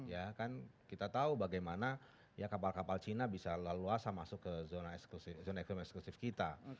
ya kan kita tahu bagaimana ya kapal kapal cina bisa leluasa masuk ke zona ekonomi eksklusif kita